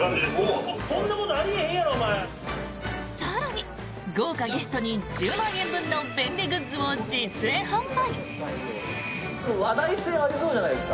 更に、豪華ゲストに１０万円分の便利グッズを実演販売！